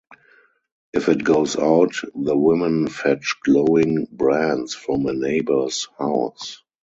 If it goes out, the women fetch glowing brands from a neighbor's house.